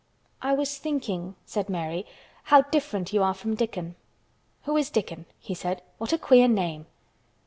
"I was thinking," said Mary, "how different you are from Dickon." "Who is Dickon?" he said. "What a queer name!"